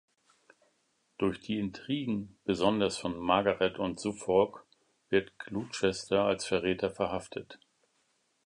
Durch die Intrigen besonders von Margaret und Suffolk wird Gloucester als Verräter verhaftet.